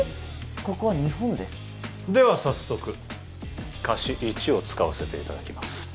ここは日本ですでは早速貸し１を使わせていただきます